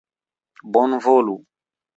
bonvolu